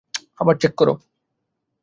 আবার চেক কর।